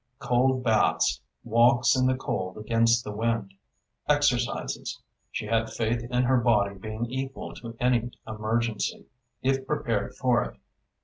Cold baths, walks in the cold against the wind, exercises ... she had faith in her body being equal to any emergency, if prepared for it.